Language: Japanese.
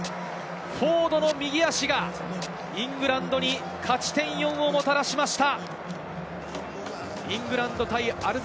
フォードの右足がイングランドに勝ち点４をもたらしました。